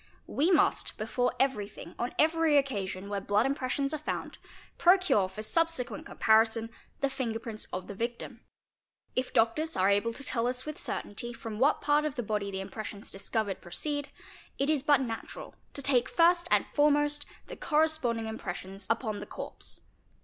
We must, before every thing, on every occasion where blood impressions are found, procure for subsequent comparison the finger prints of the victim. If doctors are able to tell us with certainty from what part of the body the impressions discovered proceed, it is but natural to take first and foremost the corres ponding impressions upon the corpse.